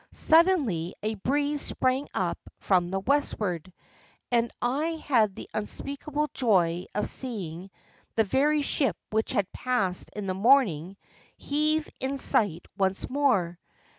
Suddenly a breeze sprang up from the westward, and I had the unspeakable joy of seeing the very ship which had passed in the morning heave in sight once more.